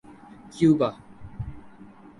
Cuba